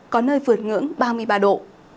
có nơi vượt ngưỡng ba mươi ba độ